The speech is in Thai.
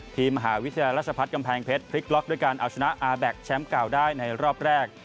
มหาวิทยาลัยราชพัฒน์กำแพงเพชรพลิกล็อกด้วยการเอาชนะอาแบ็คแชมป์เก่าได้ในรอบแรก